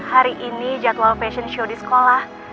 hari ini jadwal fashion show di sekolah